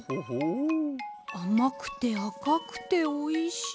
あまくてあかくておいしい。